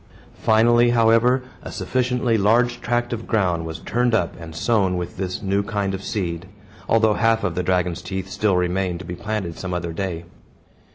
Finally, however, a sufficiently large tract of ground was turned up, and sown with this new kind of seed; although half of the dragon's teeth still remained to be planted some other day.